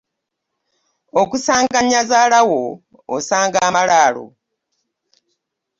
Okusanga nnyazaala wo osanga amalaalo.